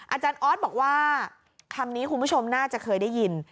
อาจารย์ออสบอกว่าคำนี้คุณผู้ชมน่าจะเคยได้ยิน